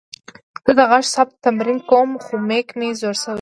زه د غږ ثبت تمرین کوم، خو میک مې زوړ شوې.